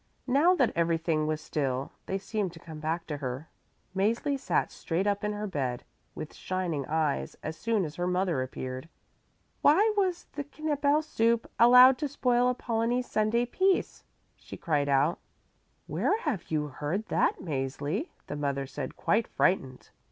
Now that everything was still, they seemed to come back to her. Mäzli sat straight up in her bed with shining eyes as soon as her mother appeared. "Why was the Knippel soup allowed to spoil Apollonie's Sunday peace?" she cried out. "Where have you heard that, Mäzli?" the mother said, quite frightened.